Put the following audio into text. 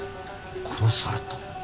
殺された。